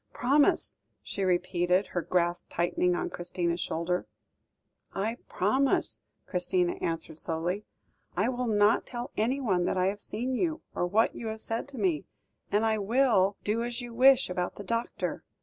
"Promise," she repeated, her grasp tightening on Christina's shoulder. "I promise," Christina answered slowly. "I will not tell anyone that I have seen you, or what you have said to me; and I will do as you wish about the doctor."